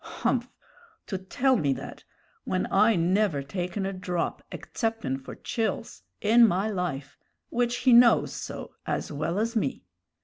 Humph! to tell me that, when I never taken a drop, exceptin' for chills, in my life which he knows so as well as me!"